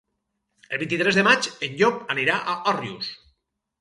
El vint-i-tres de maig en Llop anirà a Òrrius.